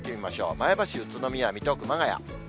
前橋、宇都宮、水戸、熊谷。